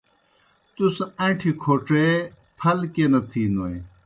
تُس ان٘ٹھیْ کھوڇے پھل کیْہ نہ تِھینوئے؟۔